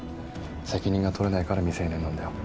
責任が取れないから未成年なんだよ。